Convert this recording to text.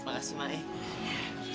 makasih ma e